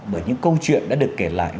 bởi những câu chuyện đã được kể lại